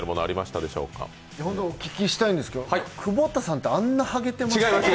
お聞きしたいんですけど、久保田さんってあんなはげてました？